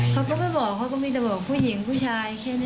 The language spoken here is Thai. เขาก็ไม่บอกเขาก็มีแต่บอกผู้หญิงผู้ชายแค่นี้